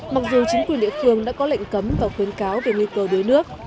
mặc dù chính quyền địa phương đã có lệnh cấm và khuyến cáo về nguy cơ đuối nước